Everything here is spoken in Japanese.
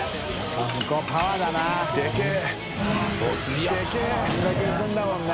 任ぁあれだけいくんだもんな。